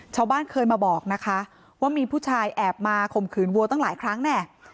ชาวบ้านเคยมาบอกนะคะว่ามีผู้ชายแอบมาข่มขืนวัวตั้งหลายครั้งแน่